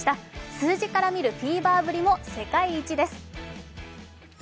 数字から見るフィーバーぶりも世界一です。